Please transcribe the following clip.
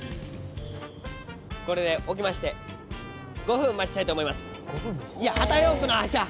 これで置きまして５分待ちたいと思います。